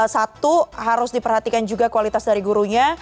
satu harus diperhatikan juga kualitas dari gurunya